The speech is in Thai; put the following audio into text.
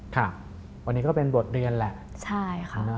ค่ะวันนี้ก็เป็นบทเรียนแหละใช่ค่ะ